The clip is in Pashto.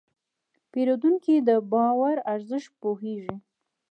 پیرودونکی د باور ارزښت پوهېږي.